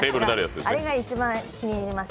あれが一番気に入りました、